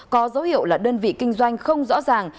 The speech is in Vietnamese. có dấu hiệu là đơn vị kinh doanh không rõ ràng